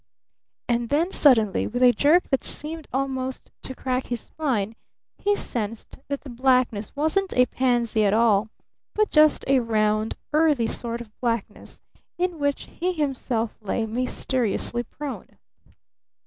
And then suddenly, with a jerk that seemed almost to crack his spine, he sensed that the blackness wasn't a pansy at all, but just a round, earthy sort of blackness in which he himself lay mysteriously prone.